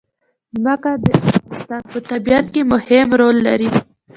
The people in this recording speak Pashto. ځمکه د افغانستان په طبیعت کې مهم رول لري.